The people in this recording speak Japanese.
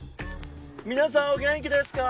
皆さんお元気ですか？